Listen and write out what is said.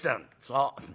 「そう。